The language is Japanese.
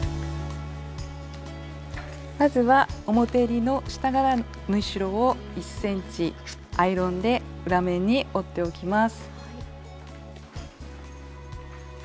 まずは表えりの下側の縫い代を１ｃｍアイロンで裏面に折っておきます。